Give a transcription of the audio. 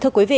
thưa quý vị